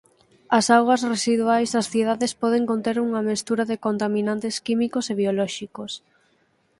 As augas residuais das cidades poden conter unha mestura de contaminantes químicos e biolóxicos.